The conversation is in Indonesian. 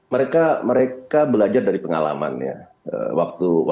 mereka belajar dari pengalamannya